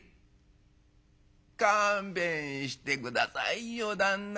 「勘弁して下さいよ旦那。